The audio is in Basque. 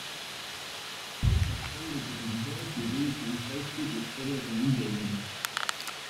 Oso aspaldiko kontuak iruditzen zaizkit historia kontu gehienak.